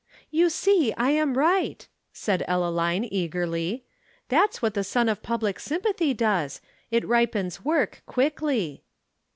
"You see I am right," said Ellaline eagerly. "That's what the sun of public sympathy does. It ripens work quickly."